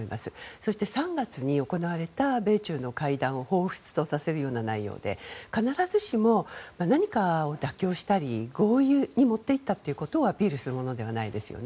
そして３月に行われた米中の会談をほうふつとさせるような内容で必ずしも何かを妥協したり合意に持っていったということをアピールするものではないですよね。